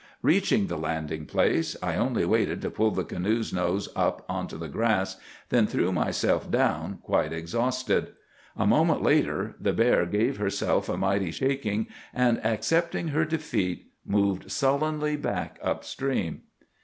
"Reaching the landing place, I only waited to pull the canoe's nose up onto the grass, then threw myself down quite exhausted. A moment later the bear gave herself a mighty shaking, and, accepting her defeat, moved sullenly back up stream."